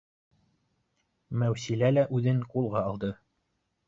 Мәүсилә лә үҙен ҡулға алды: